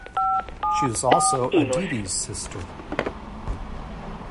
She is also Aditi's sister.